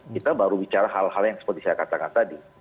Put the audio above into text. kita baru bicara hal hal yang seperti saya katakan tadi